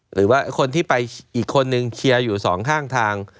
หรือว่าคนที่ไปอีกคนนึงเคลียร์อยู่สองข้างทาง